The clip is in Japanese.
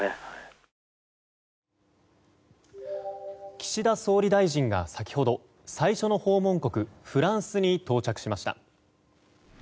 岸田総理大臣が先ほど最初の訪問国フランスに到着しました。